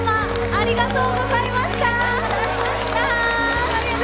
ありがとうございます。